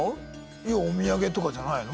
いやお土産とかじゃないの？